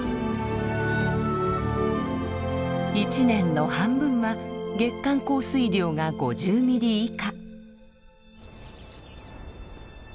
１年の半分は月間降水量が５０ミリ以下。